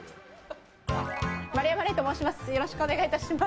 丸山礼と申します。